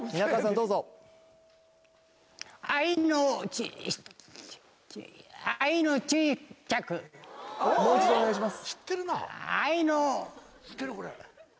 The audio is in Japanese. どうぞ愛のちもう一度お願いします